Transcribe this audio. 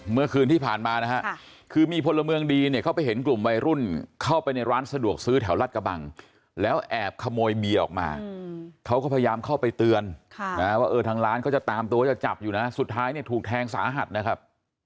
เมื่อคืนที่ผ่านมานะฮะคือมีพลเมืองดีเนี่ยเขาไปเห็นกลุ่มวัยรุ่นเข้าไปในร้านสะดวกซื้อแถวรัฐกระบังแล้วแอบขโมยเบียร์ออกมาเขาก็พยายามเข้าไปเตือนว่าเออทางร้านเขาจะตามตัวจะจับอยู่นะสุดท้ายเนี่ยถูกแทงสาหัสนะครับ